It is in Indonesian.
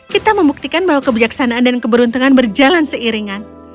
kita membuktikan bahwa kebijaksanaan dan keberuntungan berjalan seiringan